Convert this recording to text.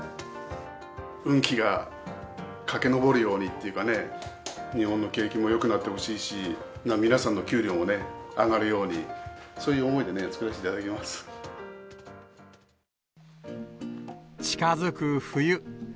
運気が駆けのぼるようにっていうかね、日本の景気もよくなってほしいし、皆さんの給料もね、上がるように、そういう思いでね、近づく冬。